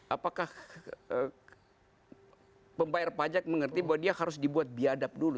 apakah pembayar pajak mengerti bahwa dia harus dibuat biadab dulu